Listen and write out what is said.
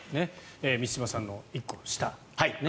満島さんの１個下。